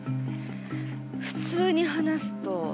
普通に話すと。